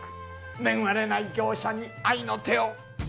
恵まれない業者に愛の手を。